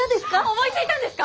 思いついたんですか！？